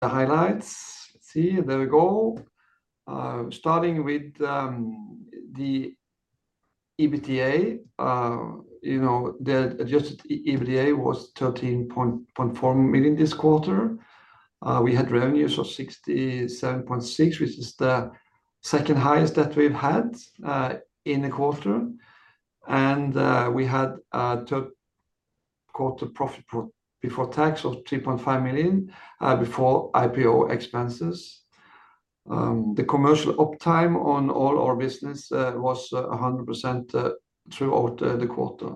The highlights. Let's see. There we go. Starting with the EBITDA, the adjusted EBITDA was 13.4 million this quarter. We had revenues of 67.6 million, which is the second highest that we've had in the quarter, and we had a third-quarter profit before tax of 3.5 million before IPO expenses. The commercial uptime on all our business was 100% throughout the quarter.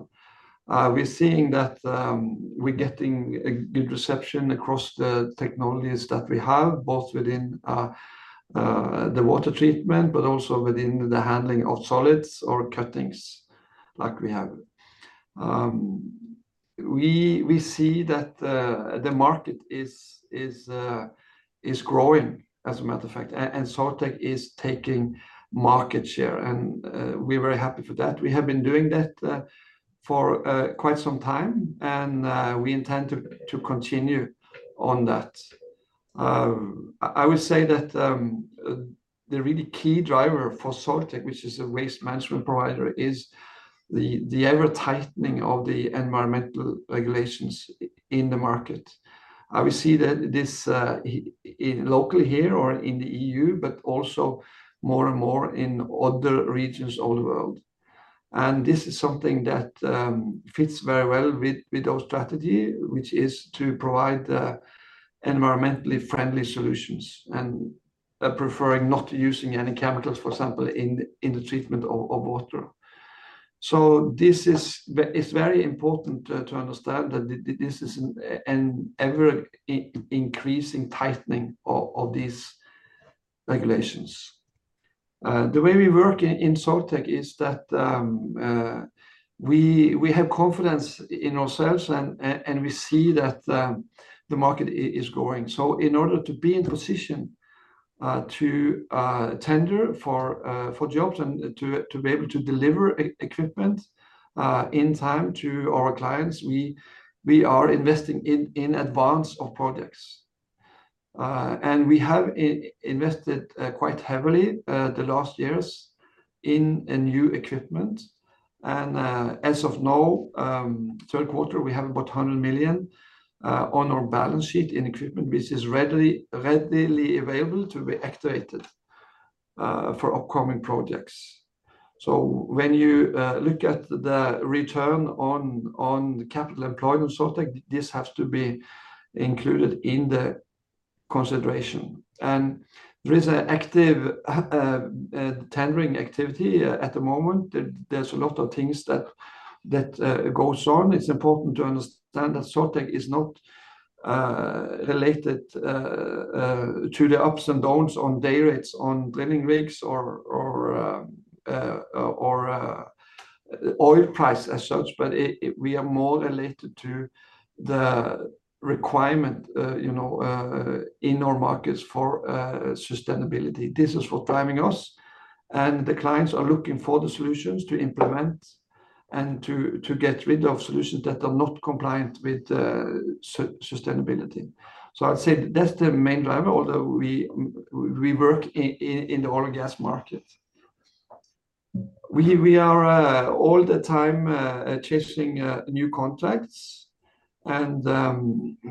We're seeing that we're getting a good reception across the technologies that we have, both within the water treatment, but also within the handling of solids or cuttings like we have. We see that the market is growing, as a matter of fact, and Soiltech is taking market share, and we're very happy for that. We have been doing that for quite some time, and we intend to continue on that. I would say that the really key driver for Soiltech, which is a waste management provider, is the ever-tightening of the environmental regulations in the market. I will see that this locally here or in the EU, but also more and more in other regions of the world, and this is something that fits very well with our strategy, which is to provide environmentally friendly solutions and preferring not using any chemicals, for example, in the treatment of water. It's very important to understand that this is an ever-increasing tightening of these regulations. The way we work in Soiltech is that we have confidence in ourselves, and we see that the market is growing, so in order to be in position to tender for jobs and to be able to deliver equipment in time to our clients, we are investing in advance of projects. We have invested quite heavily the last years in new equipment. As of now, third quarter, we have about 100 million on our balance sheet in equipment, which is readily available to be activated for upcoming projects. When you look at the return on capital employed on Soiltech, this has to be included in the consideration. There is an active tendering activity at the moment. There's a lot of things that go on. It's important to understand that Soiltech is not related to the ups and downs on day rates, on drilling rigs, or oil price as such, but we are more related to the requirement in our markets for sustainability. This is what driving us. The clients are looking for the solutions to implement and to get rid of solutions that are not compliant with sustainability. So I'd say that's the main driver, although we work in the oil and gas market. We are all the time chasing new contracts, and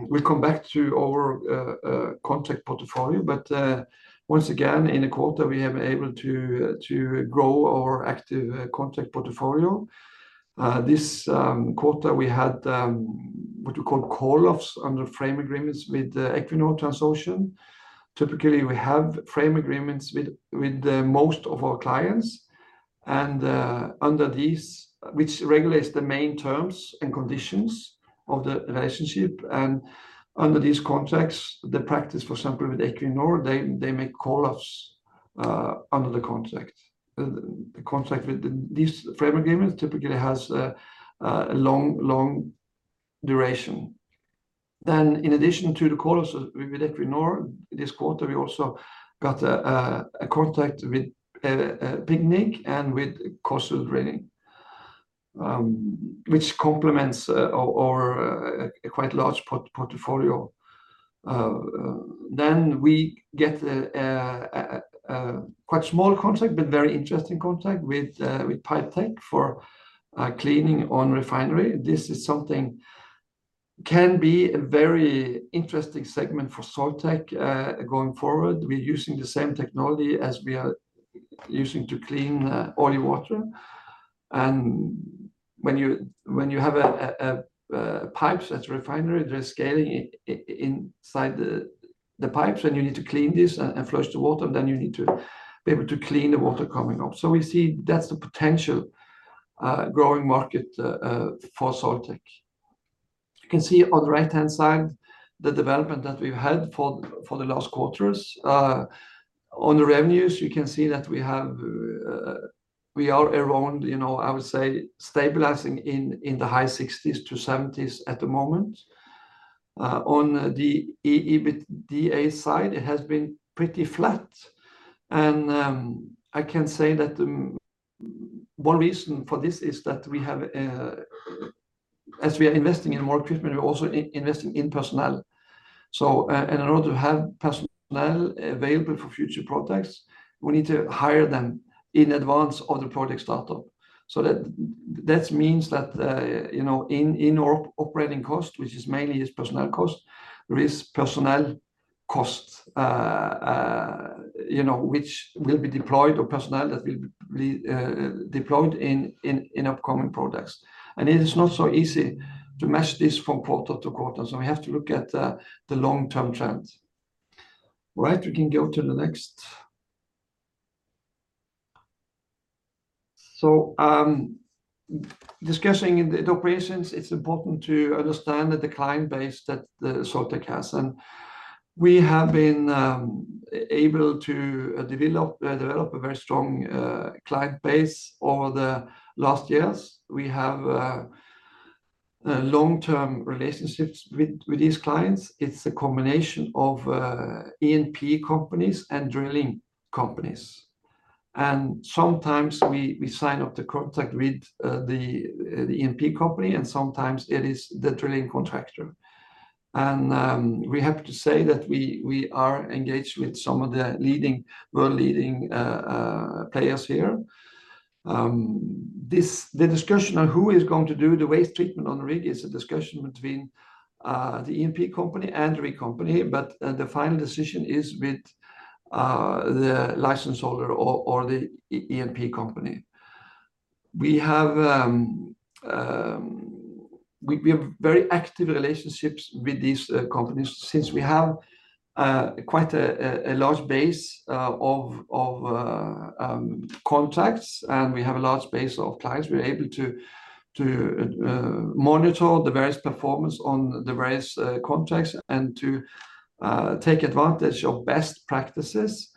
we'll come back to our contract portfolio. But once again, in the quarter, we have been able to grow our active contract portfolio. This quarter, we had what we call call-offs under frame agreements with Equinor, Transocean. Typically, we have frame agreements with most of our clients, which regulates the main terms and conditions of the relationship. And under these contracts, the practice, for example, with Equinor, they make call-offs under the contract. The contract with these frame agreements typically has a long duration. Then, in addition to the call-offs with Equinor, this quarter, we also got a contract with PGNiG and with COSL Drilling, which complements our quite large portfolio. Then we get a quite small contract, but very interesting contract with Pipetech for cleaning on refinery. This is something that can be a very interesting segment for Soiltech going forward. We're using the same technology as we are using to clean oily water. And when you have pipes at a refinery, there's scaling inside the pipes, and you need to clean this and flush the water, and then you need to be able to clean the water coming up. So we see that's the potential growing market for Soiltech. You can see on the right-hand side the development that we've had for the last quarters. On the revenues, you can see that we are around, I would say, stabilizing in the high 60s-70s at the moment. On the EBITDA side, it has been pretty flat. I can say that one reason for this is that as we are investing in more equipment, we're also investing in personnel. In order to have personnel available for future projects, we need to hire them in advance of the project start-up. That means that in our operating cost, which is mainly personnel cost, there is personnel cost, which will be deployed, or personnel that will be deployed in upcoming projects. It is not so easy to match this from quarter to quarter. We have to look at the long-term trend. All right, we can go to the next. Discussing the operations, it's important to understand the client base that Soiltech has. We have been able to develop a very strong client base over the last years. We have long-term relationships with these clients. It's a combination of E&P companies and drilling companies. Sometimes we sign up the contract with the E&P company, and sometimes it is the drilling contractor. We have to say that we are engaged with some of the world-leading players here. The discussion on who is going to do the waste treatment on the rig is a discussion between the E&P company and the rig company, but the final decision is with the license holder or the E&P company. We have very active relationships with these companies since we have quite a large base of contracts, and we have a large base of clients. We're able to monitor the various performance on the various contracts and to take advantage of best practices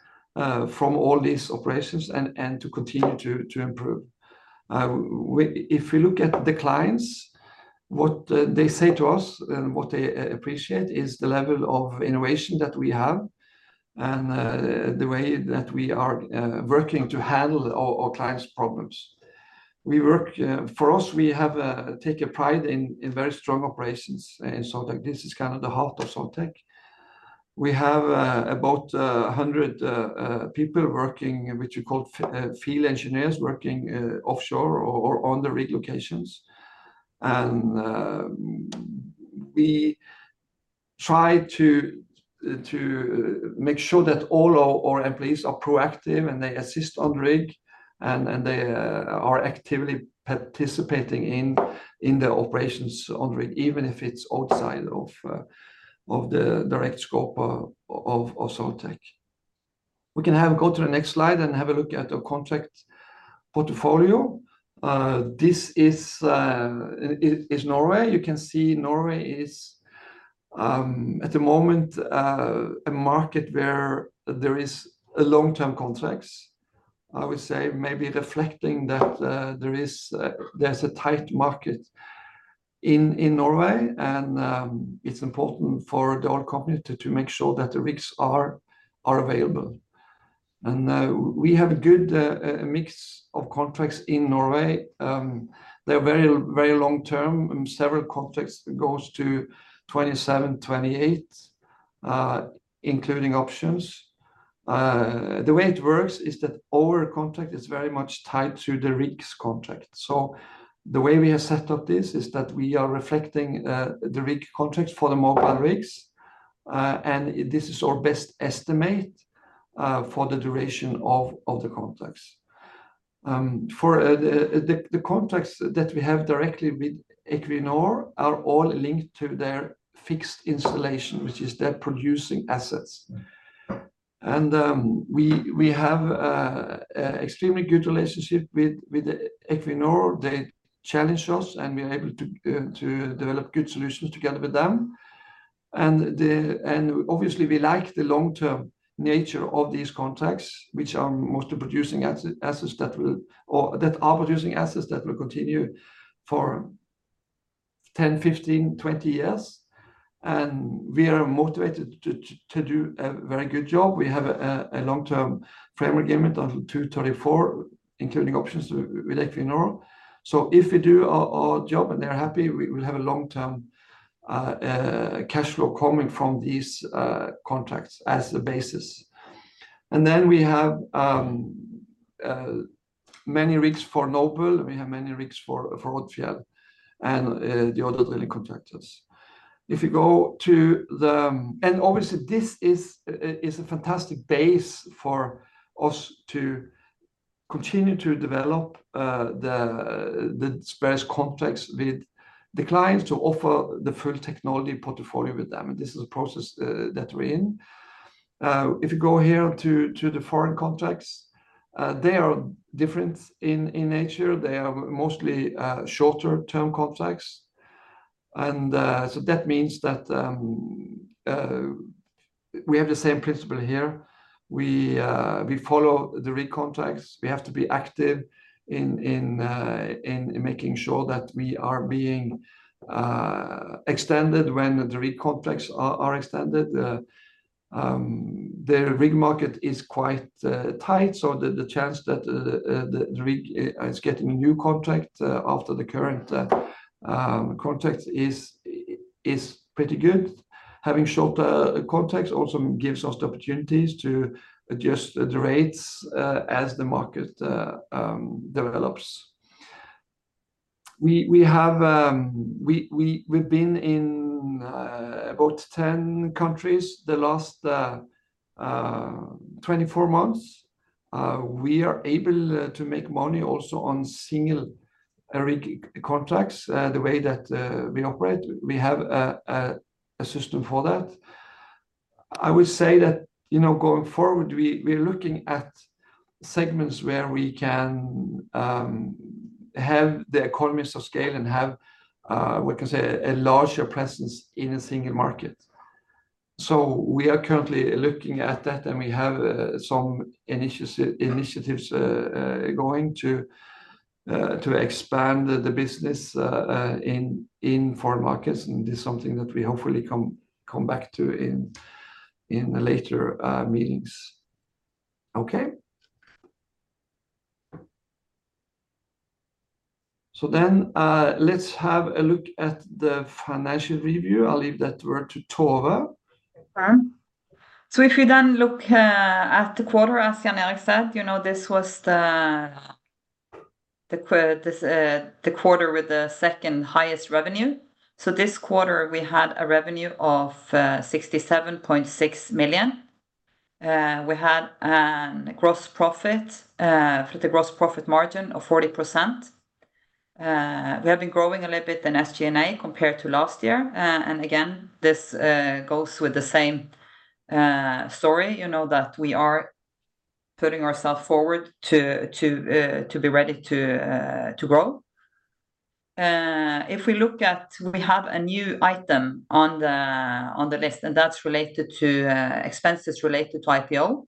from all these operations and to continue to improve. If we look at the clients, what they say to us and what they appreciate is the level of innovation that we have and the way that we are working to handle our clients' problems. For us, we take pride in very strong operations in Soiltech. This is kind of the heart of Soiltech. We have about 100 people working, which we call field engineers, working offshore or on the rig locations, and we try to make sure that all our employees are proactive and they assist on the rig and they are actively participating in the operations on the rig, even if it's outside of the direct scope of Soiltech. We can go to the next slide and have a look at the contract portfolio. This is Norway. You can see Norway is, at the moment, a market where there are long-term contracts. I would say maybe reflecting that there's a tight market in Norway, and it's important for the oil company to make sure that the rigs are available, and we have a good mix of contracts in Norway. They're very long-term. Several contracts go to 2027, 2028, including options. The way it works is that our contract is very much tied to the rigs contract, so the way we have set up this is that we are reflecting the rig contracts for the mobile rigs, and this is our best estimate for the duration of the contracts. The contracts that we have directly with Equinor are all linked to their fixed installation, which is their producing assets, and we have an extremely good relationship with Equinor. They challenge us, and we are able to develop good solutions together with them. Obviously, we like the long-term nature of these contracts, which are mostly producing assets that are producing assets that will continue for 10, 15, 20 years. We are motivated to do a very good job. We have a long-term frame agreement until 2034, including options with Equinor. If we do our job and they're happy, we will have a long-term cash flow coming from these contracts as a basis. Then we have many rigs for Noble, and we have many rigs for Odfjell and the other drilling contractors. If you go to the... Obviously, this is a fantastic base for us to continue to develop the various contracts with the clients to offer the full technology portfolio with them. This is the process that we're in. If you go here to the foreign contracts, they are different in nature. They are mostly shorter-term contracts. That means that we have the same principle here. We follow the rig contracts. We have to be active in making sure that we are being extended when the rig contracts are extended. The rig market is quite tight, so the chance that the rig is getting a new contract after the current contract is pretty good. Having shorter contracts also gives us the opportunities to adjust the rates as the market develops. We've been in about 10 countries the last 24 months. We are able to make money also on single rig contracts the way that we operate. We have a system for that. I would say that going forward, we're looking at segments where we can have the economies of scale and have, we can say, a larger presence in a single market. So we are currently looking at that, and we have some initiatives going to expand the business in foreign markets. And this is something that we hopefully come back to in later meetings. Okay. So then let's have a look at the financial review. I'll leave that word to Tove. So if we then look at the quarter, as Jan Erik said, this was the quarter with the second highest revenue. So this quarter, we had a revenue of 67.6 million. We had a gross profit for the gross profit margin of 40%. We have been growing a little bit in SG&A compared to last year. And again, this goes with the same story that we are putting ourselves forward to be ready to grow. If we look at, we have a new item on the list, and that's related to expenses related to IPO.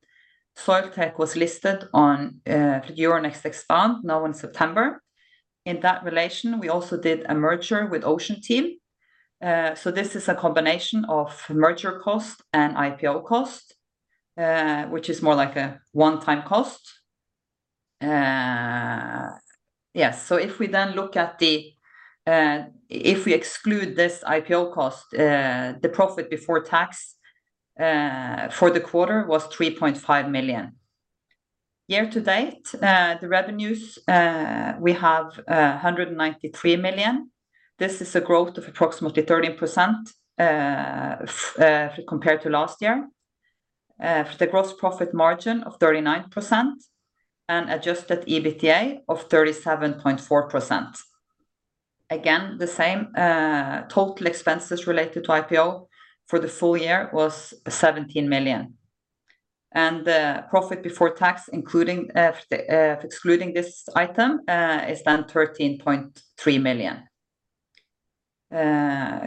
Soiltech was listed on Euronext Expand now in September. In that relation, we also did a merger with Oceanteam. So this is a combination of merger cost and IPO cost, which is more like a one-time cost. Yes. So if we then look at the, if we exclude this IPO cost, the profit before tax for the quarter was 3.5 million. Year-to-date, the revenues, we have 193 million. This is a growth of approximately 13% compared to last year for the gross profit margin of 39% and Adjusted EBITDA of 37.4%. Again, the same total expenses related to IPO for the full year was 17 million. And the profit before tax, excluding this item, is then 13.3 million.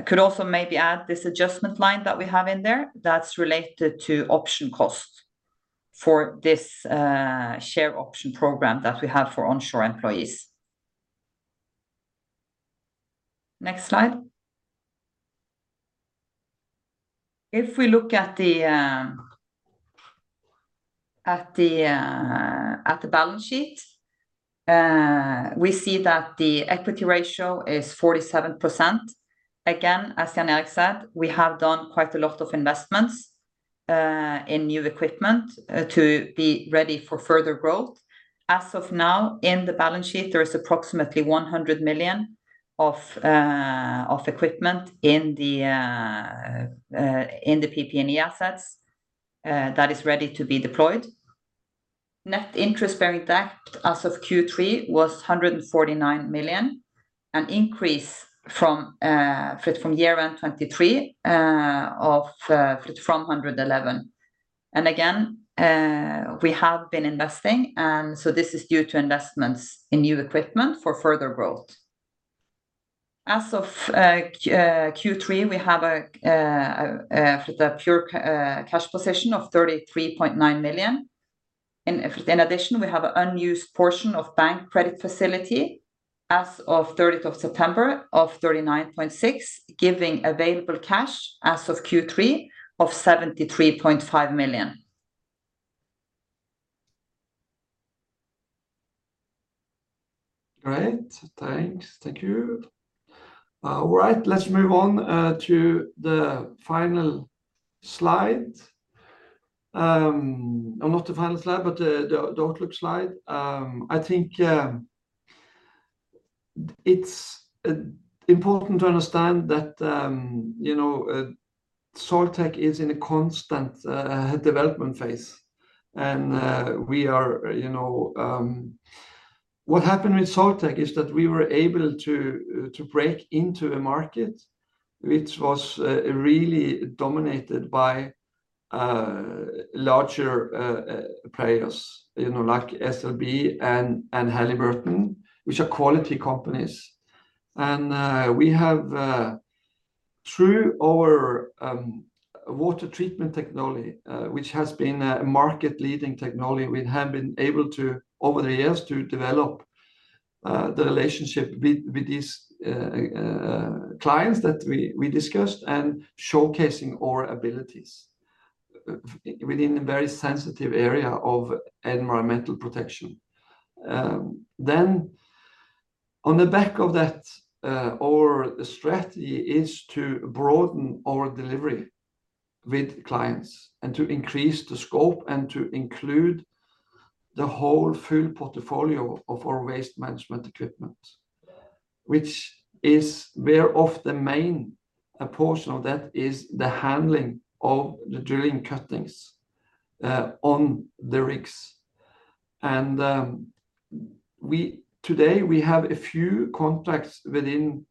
Could also maybe add this adjustment line that we have in there that's related to option cost for this share option program that we have for onshore employees. Next slide. If we look at the balance sheet, we see that the equity ratio is 47%. Again, as Jan Erik said, we have done quite a lot of investments in new equipment to be ready for further growth. As of now, in the balance sheet, there is approximately 100 million of equipment in the PP&E assets that is ready to be deployed. Net interest bearing debt as of Q3 was 149 million, an increase from year-end 2023 of 111 million. And again, we have been investing, and so this is due to investments in new equipment for further growth. As of Q3, we have a pure cash position of 33.9 million. In addition, we have an unused portion of bank credit facility as of 30th of September of 39.6 million, giving available cash as of Q3 of 73.5 million. All right. Thanks. Thank you. All right. Let's move on to the final slide. Not the final slide, but the Outlook slide. I think it's important to understand that Soiltech is in a constant development phase, and what happened with Soiltech is that we were able to break into a market which was really dominated by larger players like SLB and Halliburton, which are quality companies, and we have, through our water treatment technology, which has been a market-leading technology, we have been able to, over the years, develop the relationship with these clients that we discussed and showcasing our abilities within a very sensitive area of environmental protection. On the back of that, our strategy is to broaden our delivery with clients and to increase the scope and to include the whole full portfolio of our waste management equipment, which is whereof the main portion of that is the handling of the drilling cuttings on the rigs. And today, we have a few contracts within,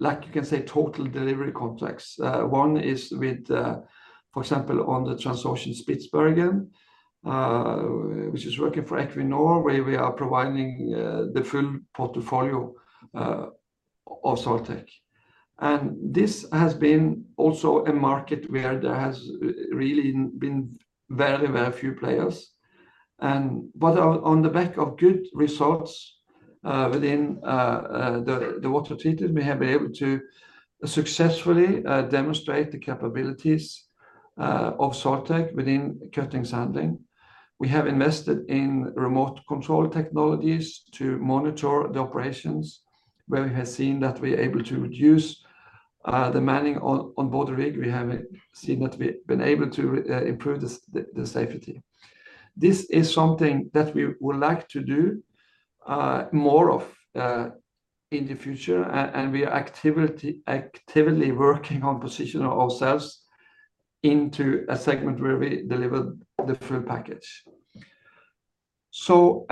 like you can say, total delivery contracts. One is with, for example, on the Transocean Spitsbergen, which is working for Equinor, where we are providing the full portfolio of Soiltech. And this has been also a market where there has really been very, very few players. And on the back of good results within the water treatment, we have been able to successfully demonstrate the capabilities of Soiltech within cuttings handling. We have invested in remote control technologies to monitor the operations, where we have seen that we are able to reduce the manning on both rigs. We have seen that we've been able to improve the safety. This is something that we would like to do more of in the future, and we are actively working on positioning ourselves into a segment where we deliver the full package. So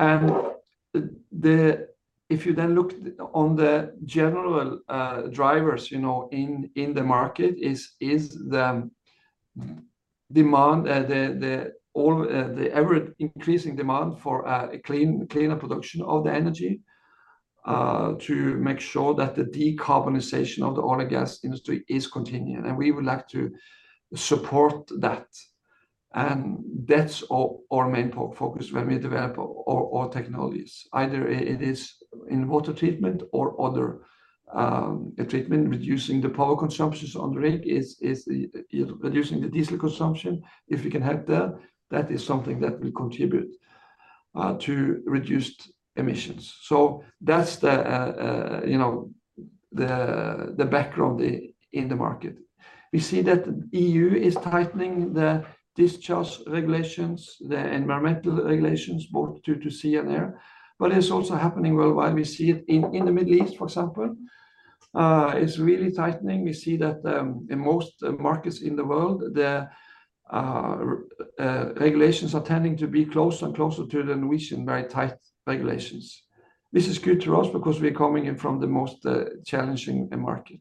if you then look on the general drivers in the market, it is the demand, the ever-increasing demand for cleaner production of the energy to make sure that the decarbonization of the oil and gas industry is continuing. And we would like to support that. And that's our main focus when we develop our technologies. Either it is in water treatment or other treatment, reducing the power consumption on the rig, reducing the diesel consumption. If we can help there, that is something that will contribute to reduced emissions. So that's the background in the market. We see that the EU is tightening the discharge regulations, the environmental regulations, both to sea and air. But it's also happening worldwide. We see it in the Middle East, for example. It's really tightening. We see that in most markets in the world, the regulations are tending to be closer and closer to the Norwegian very tight regulations. This is good to us because we're coming in from the most challenging market.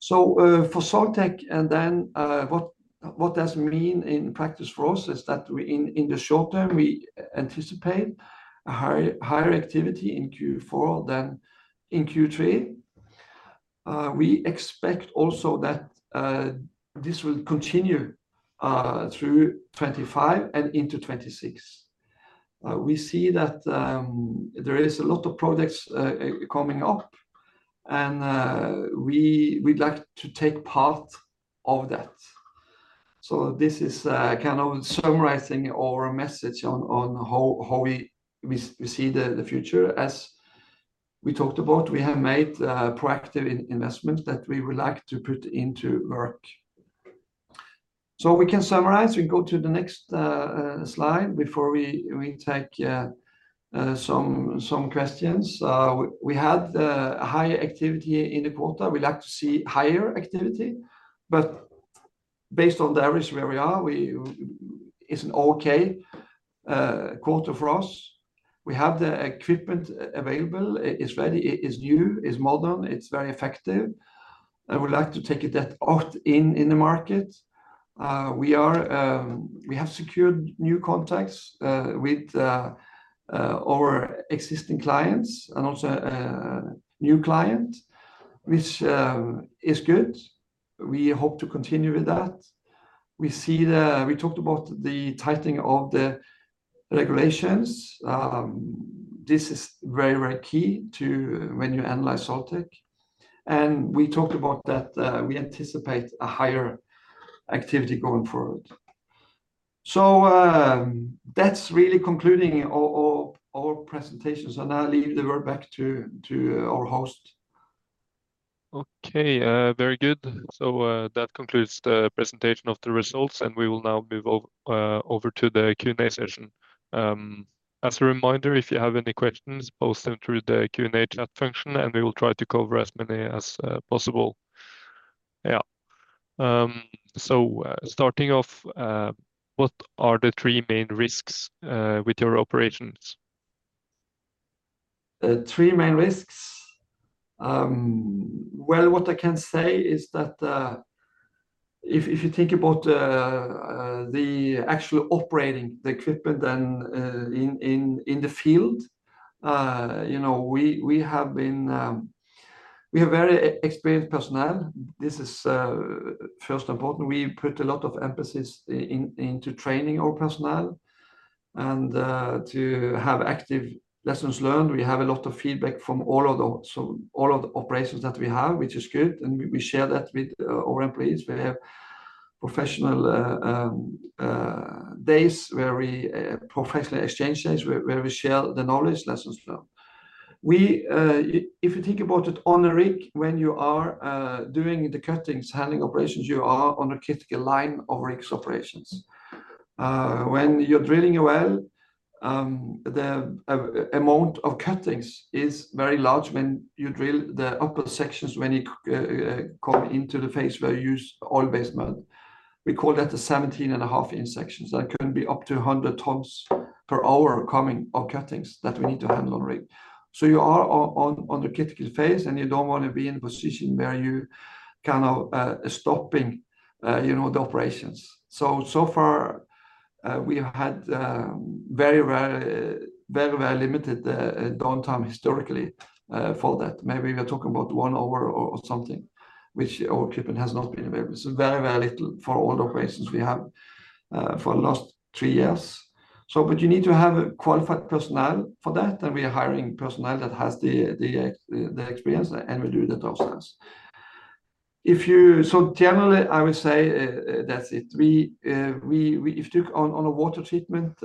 So for Soiltech, and then what does it mean in practice for us is that in the short-term, we anticipate higher activity in Q4 than in Q3. We expect also that this will continue through 2025 and into 2026. We see that there is a lot of projects coming up, and we'd like to take part in that. So this is kind of summarizing our message on how we see the future. As we talked about, we have made proactive investments that we would like to put to work. So we can summarize. We go to the next slide before we take some questions. We had high activity in the quarter. We'd like to see higher activity. But based on the areas where we are, it's an okay quarter for us. We have the equipment available. It's ready. It's new. It's modern. It's very effective. And we'd like to take that out in the market. We have secured new contracts with our existing clients and also a new client, which is good. We hope to continue with that. We talked about the tightening of the regulations. This is very, very key when you analyze Soiltech, and we talked about that we anticipate a higher activity going forward, so that's really concluding our presentation, so now I'll hand the word back to our host. Okay. Very good, so that concludes the presentation of the results, and we will now move over to the Q&A session. As a reminder, if you have any questions, post them through the Q&A chat function, and we will try to cover as many as possible. Yeah, so starting off, what are the three main risks with your operations? Three main risks. Well, what I can say is that if you think about the actual operating the equipment in the field, we have very experienced personnel. This is first and foremost. We put a lot of emphasis into training our personnel and to have active lessons learned, we have a lot of feedback from all of the operations that we have, which is good. We share that with our employees. We have professional days where we professionally exchange things where we share the knowledge, lessons learned. If you think about it on a rig, when you are doing the cuttings handling operations, you are on a critical line of rig operations. When you're drilling a well, the amount of cuttings is very large when you drill the upper sections when you come into the phase where you use oil-based mud. We call that the 17.5 inch sections. That can be up to 100 tons per hour coming off cuttings that we need to handle on a rig. You are on a critical phase, and you don't want to be in a position where you're kind of stopping the operations. So far, we've had very, very limited downtime historically for that. Maybe we're talking about one hour or something, which our equipment has not been available. It's very, very little for all the operations we have for the last three years. But you need to have qualified personnel for that, and we are hiring personnel that has the experience, and we do that ourselves. So generally, I would say that's it. If you took on a water treatment,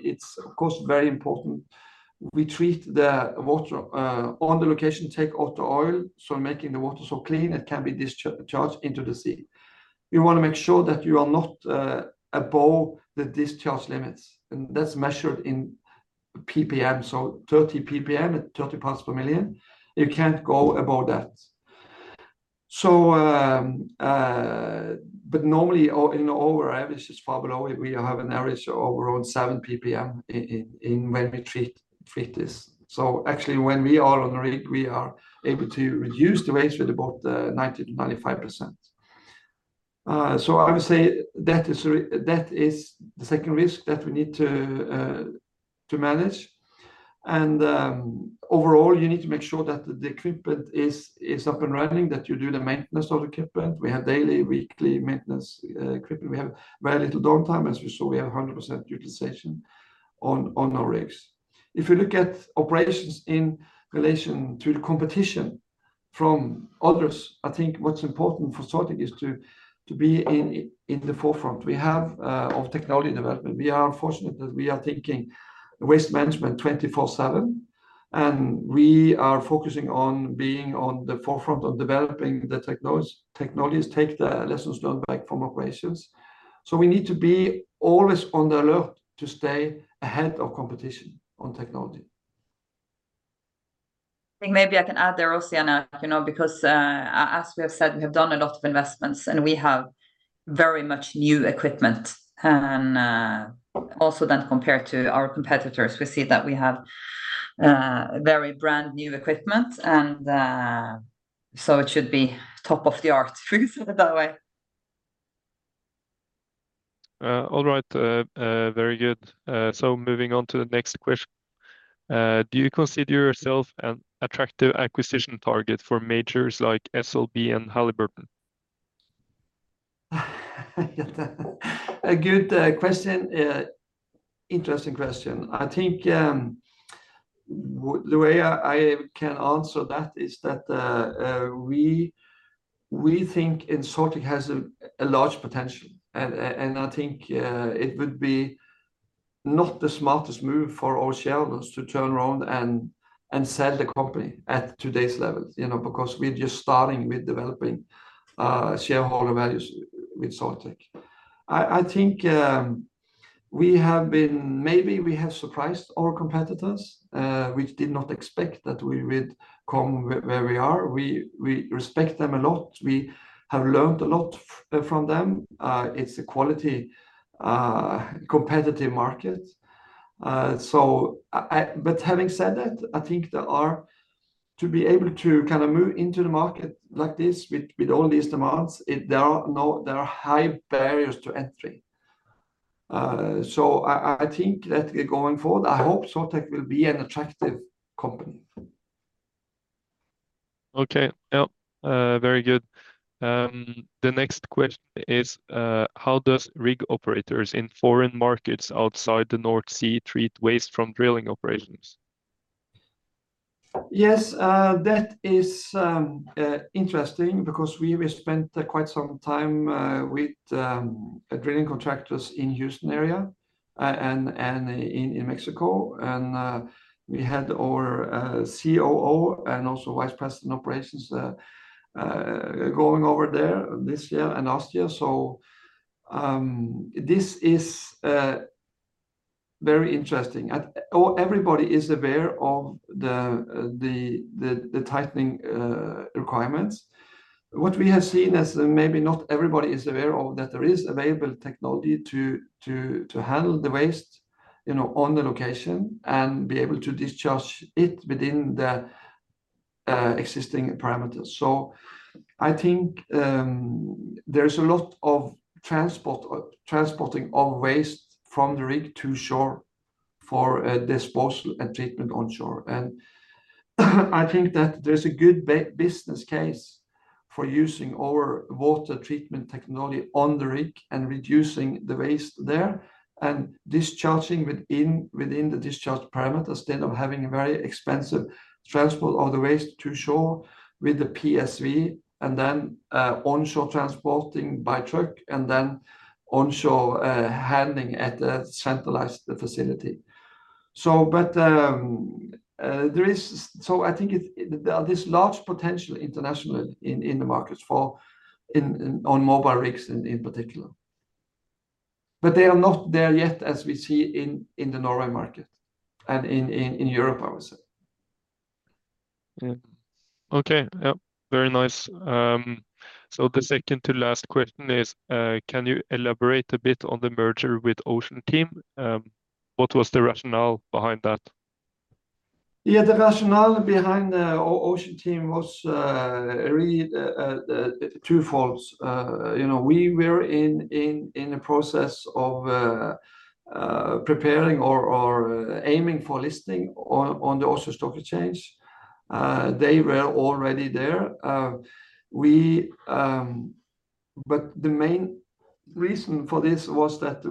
it's, of course, very important. We treat the water on the location, take out the oil. So making the water so clean, it can be discharged into the sea. You want to make sure that you are not above the discharge limits. That's measured in PPM, so 30 PPM at 30 parts per million. You can't go above that. Normally, in our average, it's far below. We have an average of around 7 PPM when we treat this. Actually, when we are on the rig, we are able to reduce the waste with about 90%-95%. I would say that is the second risk that we need to manage. Overall, you need to make sure that the equipment is up and running, that you do the maintenance of the equipment. We have daily, weekly maintenance equipment. We have very little downtime, as you saw. We have 100% utilization on our rigs. If you look at operations in relation to the competition from others, I think what's important for Soiltech is to be in the forefront of technology development. We are fortunate that we are thinking waste management 24/7, and we are focusing on being on the forefront of developing the technologies, take the lessons learned back from operations, so we need to be always on the alert to stay ahead of competition on technology. I think maybe I can add there also, Jan Erik, because as we have said, we have done a lot of investments, and we have very much new equipment, and also then compared to our competitors, we see that we have very brand new equipment, and so it should be state of the art, if we can say it that way. All right. Very good, so moving on to the next question. Do you consider yourself an attractive acquisition target for majors like SLB and Halliburton? A good question. Interesting question. I think the way I can answer that is that we think Soiltech has a large potential, and I think it would be not the smartest move for our shareholders to turn around and sell the company at today's level because we're just starting with developing shareholder values with Soiltech. I think maybe we have surprised our competitors, which did not expect that we would come where we are. We respect them a lot. We have learned a lot from them. It's a quality competitive market, but having said that, I think to be able to kind of move into the market like this with all these demands, there are high barriers to entry, so I think that going forward, I hope Soiltech will be an attractive company. Okay. Yeah. Very good. The next question is, how do rig operators in foreign markets outside the North Sea treat waste from drilling operations? Yes. That is interesting because we spent quite some time with drilling contractors in the Houston area and in Mexico, and we had our COO and also Vice President of Operations going over there this year and last year, so this is very interesting. Everybody is aware of the tightening requirements. What we have seen is maybe not everybody is aware of that there is available technology to handle the waste on the location and be able to discharge it within the existing parameters, so I think there is a lot of transporting of waste from the rig to shore for disposal and treatment on shore. I think that there is a good business case for using our water treatment technology on the rig and reducing the waste there and discharging within the discharge parameter instead of having a very expensive transport of the waste to shore with the PSV and then onshore transporting by truck and then onshore handling at a centralized facility. There is, so I think there are this large potential internationally in the markets on mobile rigs in particular. They are not there yet as we see in the Norway market and in Europe, I would say. Okay. Yeah. Very nice. The second to last question is, can you elaborate a bit on the merger with Oceanteam? What was the rationale behind that? Yeah. The rationale behind the Oceanteam was really twofold. We were in a process of preparing or aiming for listing on the Oslo Stock Exchange. They were already there, but the main reason for this was that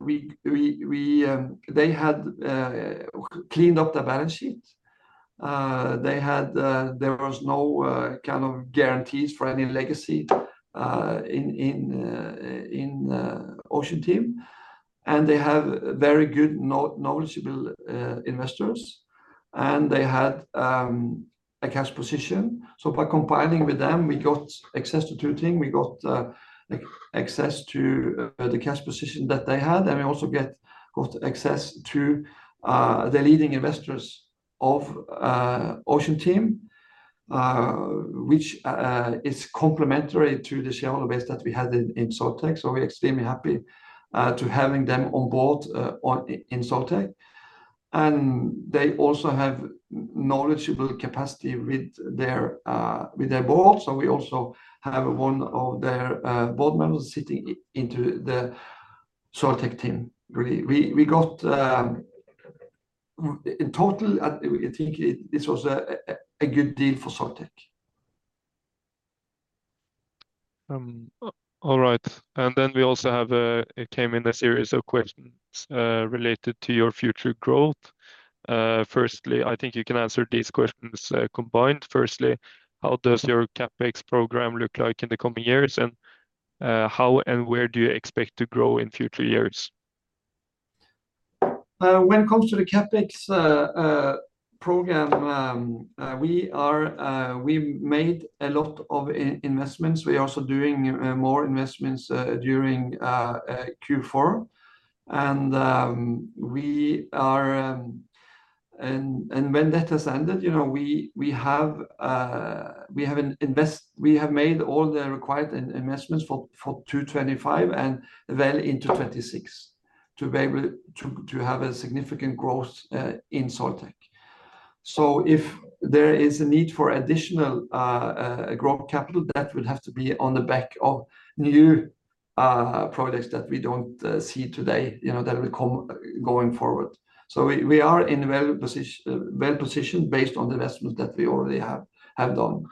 they had cleaned up the balance sheet. There was no kind of guarantees for any legacy in Oceanteam, and they have very good, knowledgeable investors, and they had a cash position, so by combining with them, we got access to two things. We got access to the cash position that they had, and we also got access to the leading investors of Oceanteam, which is complementary to the shareholder base that we had in Soiltech, so we're extremely happy to having them on board in Soiltech, and they also have knowledgeable capacity with their board, so we also have one of their board members sitting into the Soiltech team. In total, I think this was a good deal for Soiltech. All right. And then we also have came in a series of questions related to your future growth. Firstly, I think you can answer these questions combined. Firstly, how does your CapEx program look like in the coming years? And how and where do you expect to grow in future years? When it comes to the CapEx program, we made a lot of investments. We are also doing more investments during Q4. And when that has ended, we have made all the required investments for 2025 and well into 2026 to be able to have a significant growth in Soiltech. So if there is a need for additional growth capital, that would have to be on the back of new projects that we don't see today that will come going forward. We are in a well-positioned position based on the investments that we already have done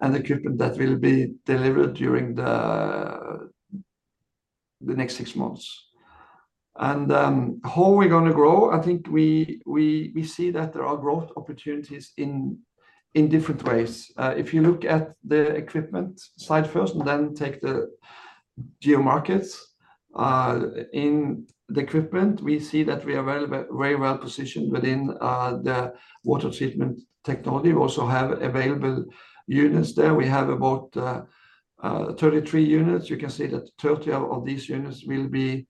and the equipment that will be delivered during the next six months. And how are we going to grow? I think we see that there are growth opportunities in different ways. If you look at the equipment side first and then take the geo markets in the equipment, we see that we are very well positioned within the water treatment technology. We also have available units there. We have about 33 units. You can see that 30 of these units will be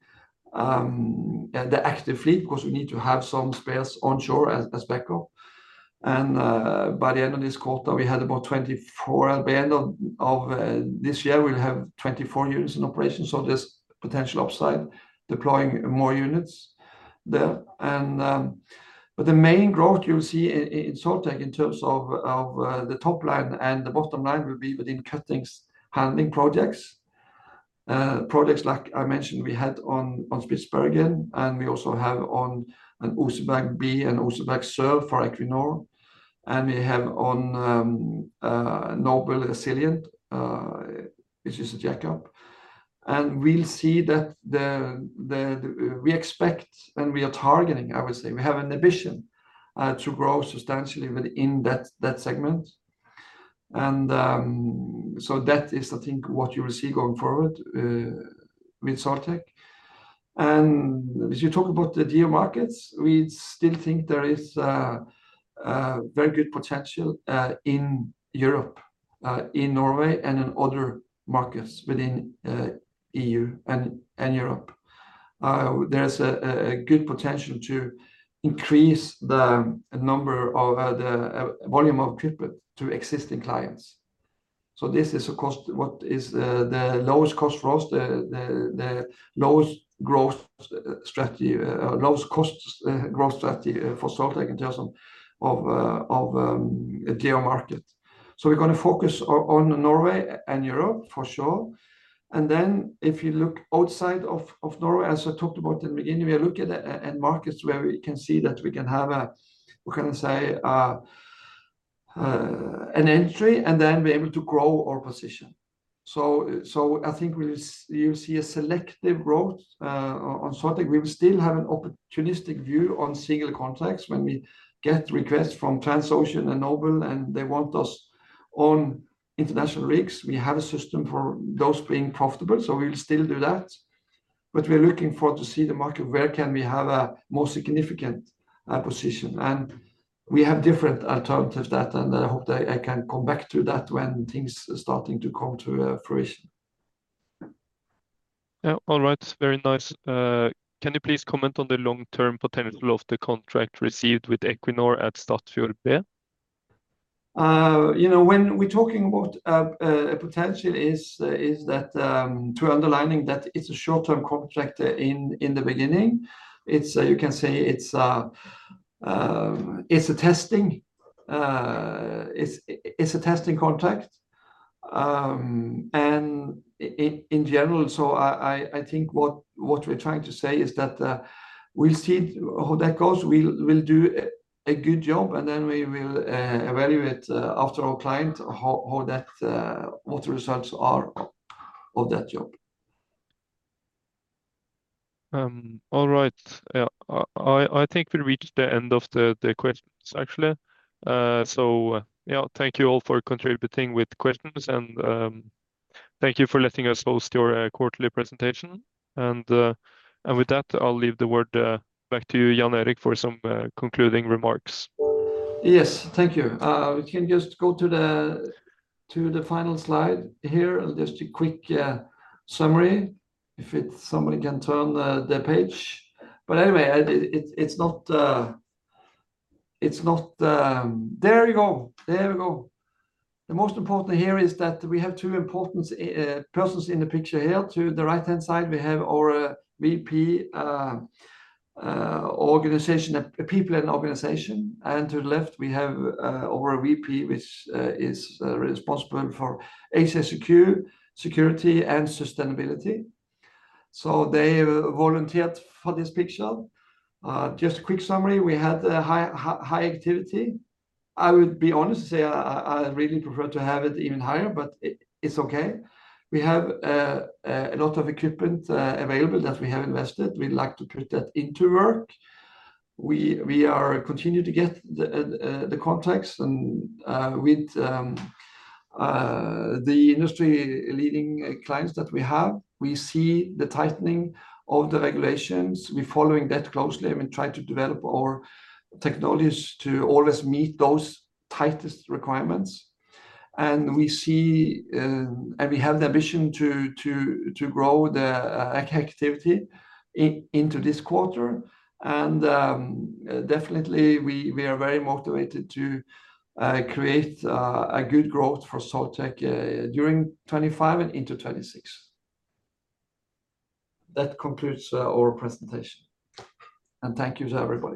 the active fleet because we need to have some spares on shore as backup. And by the end of this quarter, we had about 24. By the end of this year, we'll have 24 units in operation. So there's potential upside deploying more units there. But the main growth you'll see in Soiltech in terms of the top line and the bottom line will be within cuttings handling projects. Projects like I mentioned, we had on Spitsbergen. And we also have on Oseberg B and Oseberg Sør for Equinor. And we have on Noble Resilient, which is a jackup. And we'll see that we expect and we are targeting, I would say. We have an ambition to grow substantially within that segment. And so that is, I think, what you will see going forward with Soiltech. And if you talk about the geo markets, we still think there is very good potential in Europe, in Norway, and in other markets within EU and Europe. There is a good potential to increase the volume of equipment to existing clients. This is, of course, what is the lowest cost growth strategy for Soiltech in terms of geo market. We're going to focus on Norway and Europe for sure. And then if you look outside of Norway, as I talked about in the beginning, we look at markets where we can see that we can have an entry and then be able to grow our position. I think you'll see a selective growth on Soiltech. We will still have an opportunistic view on single contracts when we get requests from Transocean and Noble, and they want us on international rigs. We have a system for those being profitable. We will still do that. We're looking forward to see the market where we can have a more significant position. We have different alternatives to that. And I hope that I can come back to that when things are starting to come to fruition. Yeah. All right. Very nice. Can you please comment on the long-term potential of the contract received with Equinor at Statfjord B? When we're talking about a potential is that we're underlining that it's a short-term contract in the beginning. You can say it's a testing contract. And in general, so I think what we're trying to say is that we'll see how that goes. We'll do a good job, and then we will evaluate after our client how the results are of that job. All right. Yeah. I think we reached the end of the questions, actually. So yeah, thank you all for contributing with questions. And thank you for letting us host your quarterly presentation. With that, I'll hand the word back to you, Jan Erik, for some concluding remarks. Yes. Thank you. We can just go to the final slide here and just a quick summary if somebody can turn the page. Anyway, it's not there you go. There we go. The most important here is that we have two important persons in the picture here. To the right-hand side, we have our VP of organization, people and organization. And to the left, we have our VP, which is responsible for HSEQ, security, and sustainability. They volunteered for this picture. Just a quick summary. We had high activity. I would be honest to say I really prefer to have it even higher, but it's okay. We have a lot of equipment available that we have invested. We'd like to put that into work. We are continuing to get the contracts. With the industry leading clients that we have, we see the tightening of the regulations. We're following that closely. We try to develop our technologies to always meet those tightest requirements. We see and we have the ambition to grow the activity into this quarter. Definitely, we are very motivated to create a good growth for Soiltech during 2025 and into 2026. That concludes our presentation. Thank you to everyone.